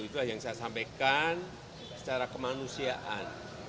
itulah yang saya sampaikan secara kemanusiaan